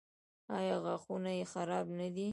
ایا غاښونه یې خراب نه دي؟